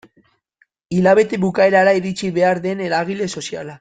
Hilabete bukaerara iritsi behar den eragile soziala.